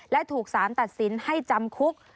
และถูกสารตัดสินให้จำคุก